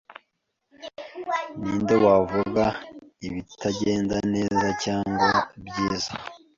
Ninde wavuga ibitagenda neza cyangwa byiza?